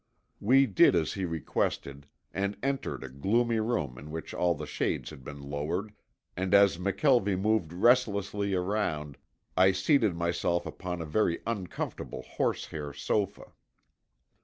We did as he requested and entered a gloomy room in which all the shades had been lowered, and as McKelvie moved restlessly around I seated myself upon a very uncomfortable horsehair sofa.